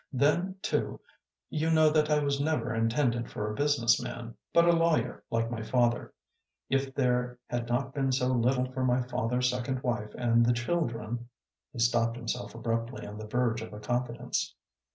Then, too, you know that I was never intended for a business man, but a lawyer, like my father, if there had not been so little for my father's second wife and the children " He stopped himself abruptly on the verge of a confidence.